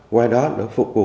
qua đó được phục vụ